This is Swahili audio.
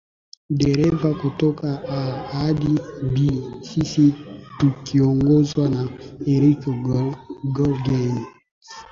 dereva kutoka A hadi B sisi tukiongozwa na Eric Gorgens